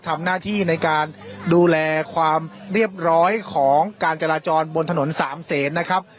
ทำหน้าที่ในการดูแลความเรียบร้อยของการจราจรบนถนนสามเศษนะครับ